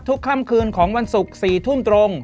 ค่ำคืนของวันศุกร์๔ทุ่มตรง